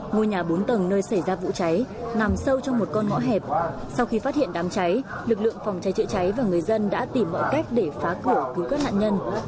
ngôi nhà bốn tầng nơi xảy ra vụ cháy nằm sâu trong một con ngõ hẹp sau khi phát hiện đám cháy lực lượng phòng cháy chữa cháy và người dân đã tìm mọi cách để phá cửa cứu các nạn nhân